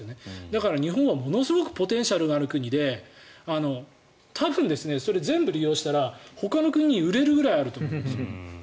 だから、日本はものすごくポテンシャルがある国で多分、それを全部利用したらほかの国に売れるぐらいあると思うんです。